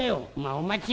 「お待ちよ。